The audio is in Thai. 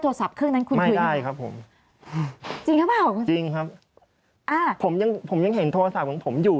โทรศัพท์เครื่องนั้นคุณได้ครับผมจริงครับผมยังผมยังเห็นโทรศัพท์ของผมอยู่